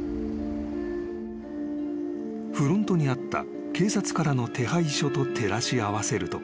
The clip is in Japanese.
［フロントにあった警察からの手配書と照らし合わせると］